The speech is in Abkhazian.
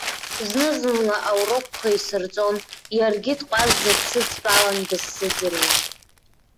Зны-зынла аурокқәа исырҵон, иаргьы дҟәазӡа дсыдтәалан дысзыӡырҩуан.